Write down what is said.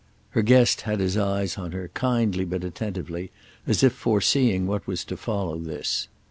Her guest had his eyes on her, kindly but attentively, as if foreseeing what was to follow this.